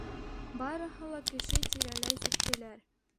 Барыһы ла кеше тирәләй сүктеләр.